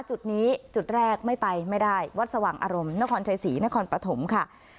จุดนี้จุดแรกไม่ไปไม่ได้วัดสว่างอารมณ์นครชัยศรีนครปฐมค่ะ